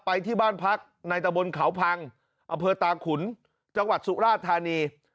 ไปที่บ้านพักในตะบนเขาพังอำเภอตาขุนจังหวัดสุราธานี